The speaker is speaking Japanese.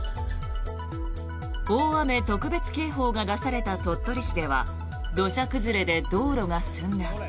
大雨特別警報が出された鳥取市では土砂崩れで道路が寸断。